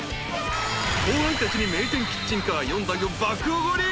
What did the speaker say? ［後輩たちに名店キッチンカー４台を爆おごり］